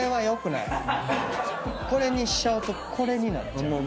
これにしちゃうとこれになっちゃう。